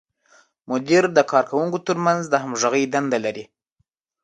مدیر د کارکوونکو تر منځ د همغږۍ دنده لري.